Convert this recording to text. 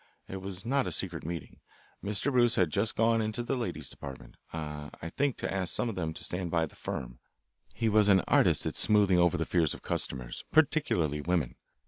It was not a secret meeting. Mr. Bruce had just gone into the ladies' department; I think to ask some of them to stand by the firm he was an artist at smoothing over the fears of customers, particularly women.